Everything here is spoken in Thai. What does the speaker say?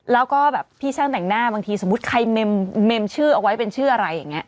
แล้วก็แบบพี่ช่างแต่งหน้าบางทีสมมุติใครเมมชื่อเอาไว้เป็นชื่ออะไรอย่างนี้